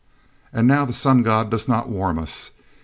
"And now the Sun god does not warm us.